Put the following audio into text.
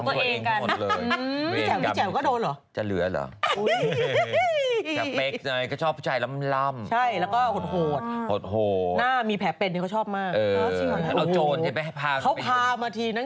แผลเรื่องผู้ชายของตัวเองทั้งหมดเลยของตัวเอง